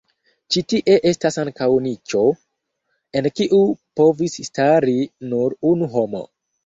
Ĉi tie estas ankaŭ niĉo, en kiu povis stari nur unu homo.